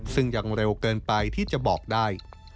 ซึ่งยังเร็วเกินไปที่จะบอกได้